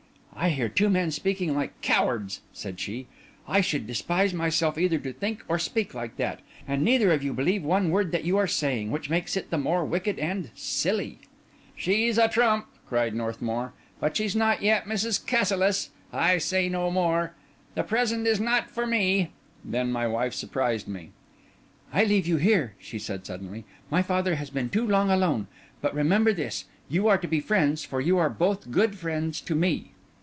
"I hear two men speaking like cowards," said she. "I should despise myself either to think or speak like that. And neither of you believe one word that you are saying, which makes it the more wicked and silly." "She's a trump!" cried Northmour. "But she's not yet Mrs. Cassilis. I say no more. The present is not for me." Then my wife surprised me. "I leave you here," she said suddenly. "My father has been too long alone. But remember this: you are to be friends, for you are both good friends to me."